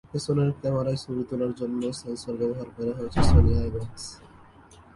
পেছনের ক্যামেরায় ছবি তোলার জন্য সেন্সর ব্যবহার করা হয়েছে সনি আইএমএক্স।